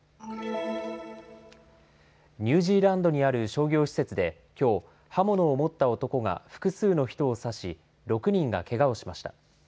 ニュージーランドにある商業施設で、きょう刃物を持った男が複数の人を刺し６人がけがをしました。